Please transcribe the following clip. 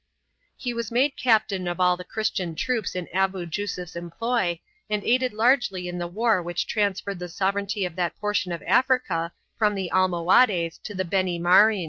He was made captain of all the Christian troops in Abu Jusuf 's employ and aided largely in the war which transferred the sov ereignty of that portion of Africa from the Alrnohades to the Beni Marin.